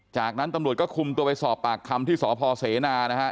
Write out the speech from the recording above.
จากนั้นตำรวจก็คุมตัวไปสอบปากคำที่สพเสนานะฮะ